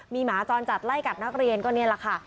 มีหมาจรจัดไล่กัดนักเรียนก็นี่แหละค่ะ